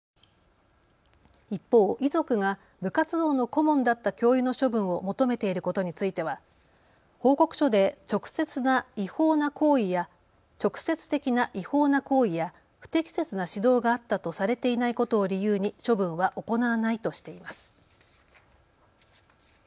一方、遺族が部活動の顧問だった教諭の処分を求めていることについては報告書で直接的な違法な行為や不適切な指導があったとされていないことを理由に処分は行わないとしています。